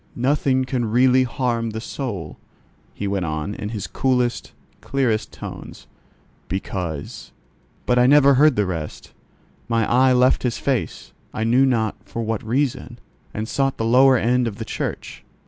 "Nothing can really harm the soul," he went on, in, his coolest, clearest tones, "because——" But I never heard the rest; my eye left his face, I knew not for what reason, and sought the lower end of the church.